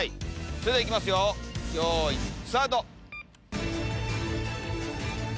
それでは行きますよよいスタート！